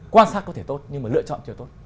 quan sát có thể tốt nhưng mà lựa chọn chưa tốt